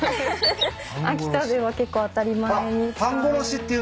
秋田では結構当たり前に使う。